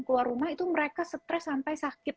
keluar rumah itu mereka stres sampai sakit